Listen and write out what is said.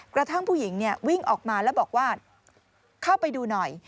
กระทั่งผู้หญิงวิ่งออกมาแล้วบอกว่าเข้าไปดูหน่อย